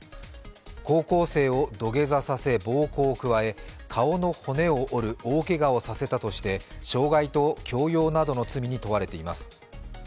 高校生を土下座させ暴行を加え顔の骨を折る大けがをさせたとして傷害と強要などの罪に問われています。